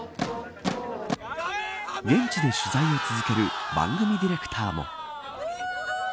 現地で取材を続ける番組ディレクターも。